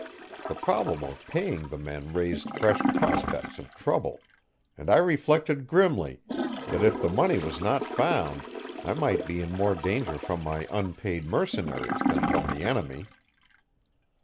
The problem of paying the men raised fresh prospects of trouble, and I reflected grimly that if the money was not found I might be in more danger from my unpaid mercenaries than from the enemy.